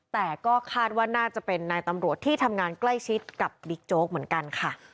แต่ก็คาดว่าน่าจะเป็นนายตำรวจที่ทำงานใกล้ชิดกับบิ๊กโจ๊กเหมือนกันค่ะ